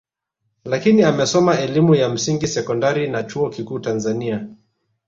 Lakini amesoma elimu ya msingi sekondari na chuo kikuu Tanzania